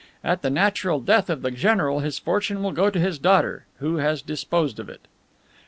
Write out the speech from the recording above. At the natural death of the general his fortune will go to his daughter, who has disposed of it."